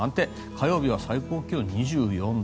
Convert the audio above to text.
火曜日は最高気温２４度。